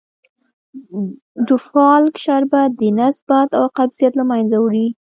ډوفالک شربت دنس باد او قبضیت له منځه وړي .